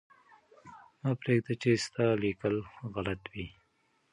مه پرېږده چې ستا لیکل غلط وي.